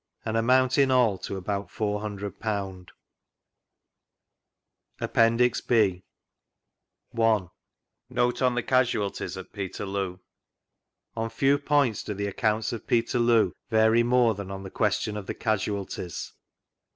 and amount in all to about £v>o. ji vGoogfc APPENDIX B. I.— NOTE ON THE CASUALTIES AT PETERLOO. Oh few points do the acwunts of Peterloo vary more than on the question of the casualties.